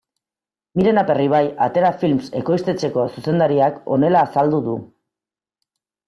Miren Aperribai Atera Films ekoiztetxeko zuzendariak honela azaldu du.